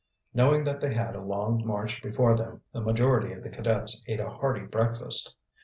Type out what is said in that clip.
Knowing that they had a long march before them, the majority of the cadets ate a hearty breakfast.